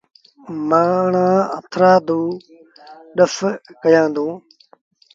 مآڻهآݩ هٿرآدو ڏس ڪيآݩدوݩ۔